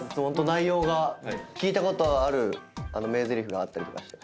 内容が聞いたことある名ぜりふがあったりとかして。